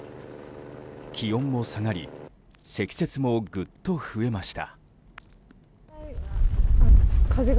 気温も下がり積雪もぐっと増えました。